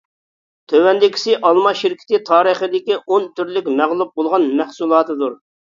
تۆۋەندىكىسى ئالما شىركىتى تارىخىدىكى ئون تۈرلۈك مەغلۇپ بولغان مەھسۇلاتىدۇر.